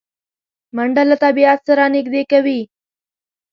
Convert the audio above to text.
منډه له طبیعت سره نږدې کوي